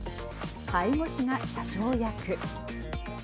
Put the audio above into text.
介護士が車掌役。